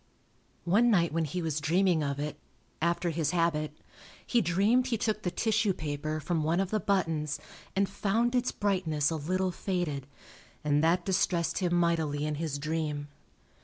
One night when he was dreaming of it, after his habit, he dreamed he took the tissue paper from one of the buttons and found its brightness a little faded, and that distressed him mightily in his dream.